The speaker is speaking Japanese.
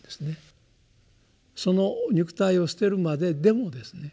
その肉体を捨てるまででもですね